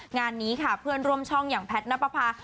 งานนี้ค่ะเพื่อนร่วมช่องอย่างแพทย์นับประพา